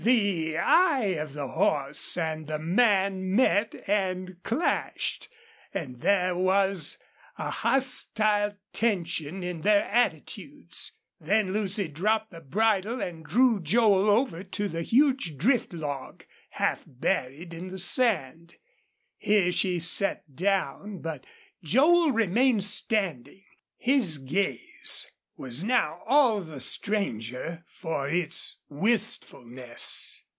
The eye of the horse and the man met and clashed, and there was a hostile tension in their attitudes. Then Lucy dropped the bridle and drew Joel over to a huge drift log, half buried in the sand. Here she sat down, but Joel remained standing. His gaze was now all the stranger for its wistfulness.